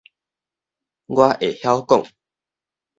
我會曉講